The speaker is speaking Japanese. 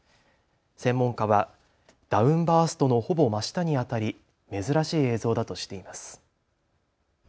専門家はダウンバーストのほぼ真下にあたり珍しい映像だとしています。